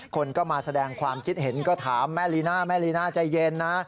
คนก็มาแสดงความคิดเห็นก็ถามแม่ลีน่าแม่ลีน่าใจเย็นนะ